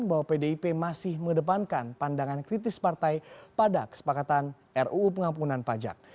bahwa pdip masih mengedepankan pandangan kritis partai pada kesepakatan ruu pengampunan pajak